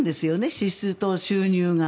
支出と収入が。